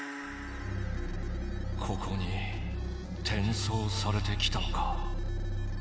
ここにてんそうされてきたのか。